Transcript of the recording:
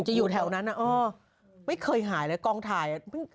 อยู่แถวนั้นไม่เคยหายเลยกองถ่าย